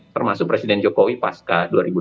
termasuk presiden jokowi pasca dua ribu dua puluh